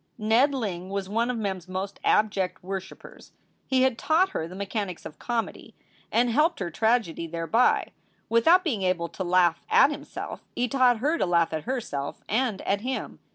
Ned Ling was one of Mem s most abject worshipers. He had taught her the mechanics of comedy, and helped her SOULS FOR SALE 361 tragedy thereby. Without being able to laugh at himself, he taught her to laugh at herself and at him.